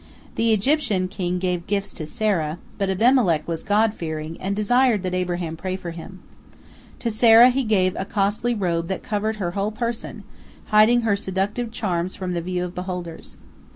The Egyptian king gave gifts to Sarah, but Abimelech was God fearing, and desired that Abraham pray for him. To Sarah he gave a costly robe that covered her whole person, hiding her seductive charms from the view of beholders.